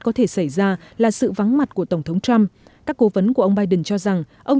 có thể xảy ra là sự vắng mặt của tổng thống trump các cố vấn của ông biden cho rằng ông